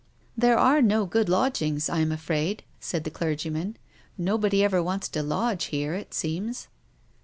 " There are no good lodgings, I am afraid," said the clergyman. " Nobody ever wants to lodge here, it seems."